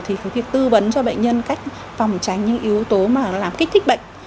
thì có khi tư vấn cho bệnh nhân cách phòng tránh những yếu tố mà làm kích thích bệnh